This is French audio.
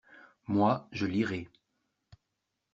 Moi, je lirai.